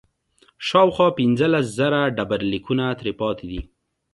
شاوخوا پنځلس زره ډبرلیکونه ترې پاتې دي